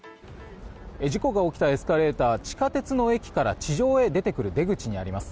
事故が起きたエスカレーターは地下鉄の駅から地上で出てくる出口にあります。